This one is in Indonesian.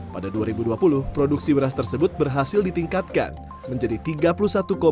pada dua ribu dua puluh produksi beras tersebut berhasil ditingkatkan menjadi tiga puluh satu tiga puluh enam juta ton